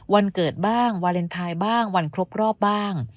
วันเกิดบ้างวาเลนไทยบ้างวันครบรอบบ้าง